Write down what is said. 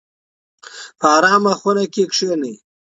په ارامه خونه کې کښینئ.